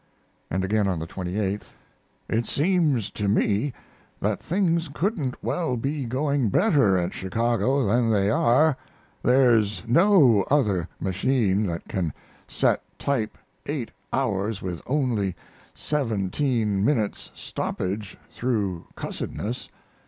And again on the 28th: It seems to me that things couldn't well be going better at Chicago than they are. There's no other machine that can set type eight hours with only seventeen minutes' stoppage through cussedness.